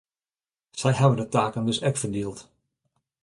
Sy hawwe de taken dus ek ferdield.